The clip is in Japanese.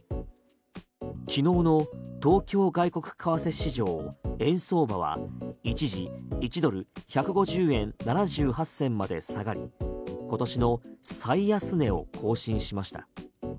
昨日の東京外国為替市場円相場は一時１ドル＝１５０円７８銭まで下がり今年の最安値を更新しました。